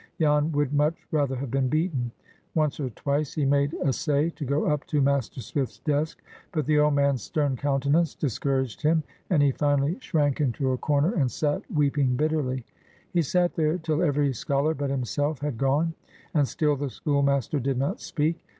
Jan would much rather have been beaten. Once or twice he made essay to go up to Master Swift's desk, but the old man's stern countenance discouraged him, and he finally shrank into a corner and sat weeping bitterly. He sat there till every scholar but himself had gone, and still the schoolmaster did not speak.